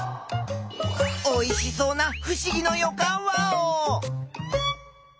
おいしそうなふしぎのよかんワオ！